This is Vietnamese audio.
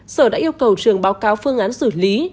sở đã yêu cầu trường báo cáo phương án xử lý